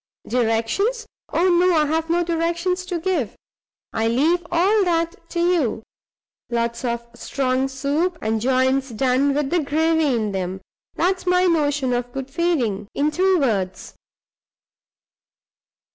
Directions? Oh, no; I've no directions to give. I leave all that to you. Lots of strong soup, and joints done with the gravy in them there's my notion of good feeding, in two words.